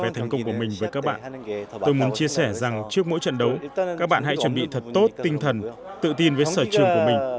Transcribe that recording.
trước mỗi trận đấu các bạn hãy chuẩn bị thật tốt tinh thần tự tin với sở trường của mình